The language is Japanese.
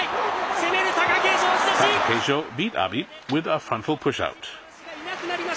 攻める貴景勝、押し出し。